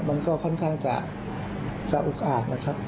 มันก็ค่อนข้างจะสะอุกอาดนะครับ